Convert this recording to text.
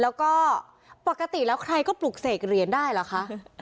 แล้วก็ปกติแล้วใครก็ปลุกเสกเหรียญได้เหรอคะ